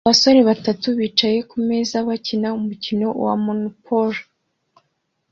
Abasore batatu bicaye kumeza bakina umukino wa Monopoly